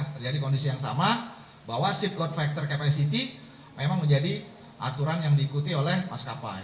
terjadi kondisi yang sama bahwa shift load factor capacity memang menjadi aturan yang diikuti oleh maskapai